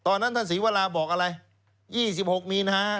ตอนนั้นท่านศรีวราบอกอะไร๒๖มีนา